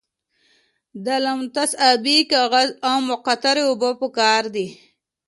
د لتمس ابي کاغذ او مقطرې اوبه پکار دي.